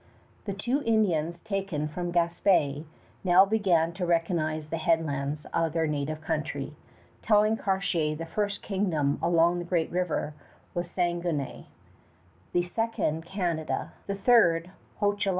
The two Indians taken from Gaspé now began to recognize the headlands of their native country, telling Cartier the first kingdom along the Great River was Saguenay, the second Canada, the third Hochelaga.